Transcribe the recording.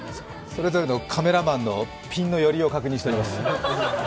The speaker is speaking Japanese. それぞれのカメラマンのピンの寄りを確認しております。